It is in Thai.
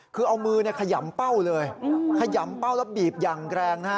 คือเอามือขยำเป้าเลยขยำเป้าแล้วบีบอย่างแรงนะฮะ